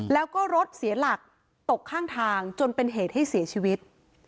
แล้วก็รถเสียหลักตกข้างทางจนเป็นเหตุให้เสียชีวิต